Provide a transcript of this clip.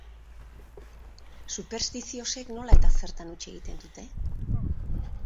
Superstiziosek nola eta zertan huts egiten dute?